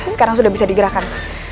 sekarang sudah bisa digerakkan